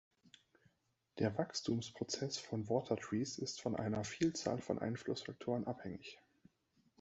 Der Wachstumsprozess von Water Trees ist von einer Vielzahl von Einflussfaktoren abhängig.